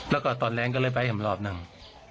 แล้วก็ตอนแรงไปขไมรอบนั่ง